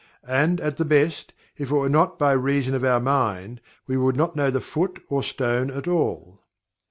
And, at the best, if it were not by reason of our Mind, we would not know the foot or stone at all.